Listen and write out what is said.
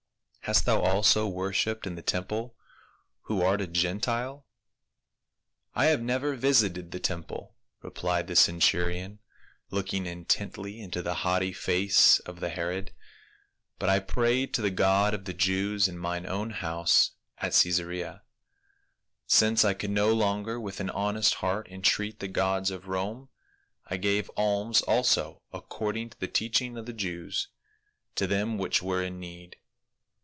" Hast thou also worshiped in the temple — who art a Gentile ?"" I have never visited the temple," replied the cen turion, looking intently into the haughty face of the Herod," but I prayed to the God of the Jews in mine own house at Caesarea, since I could no longer with an honest heart entreat the gods of Rome ; I gave alms also, according to the teaching of the Jews, to them which were in need.